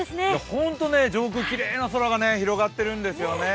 ほんとね、上空、きれいな空が広がっているんですよね。